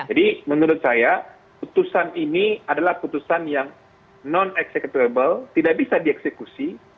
jadi menurut saya keputusan ini adalah keputusan yang non executable tidak bisa dieksekusi